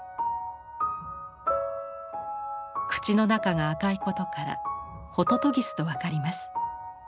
口の中が赤いことからホトトギスと分かります。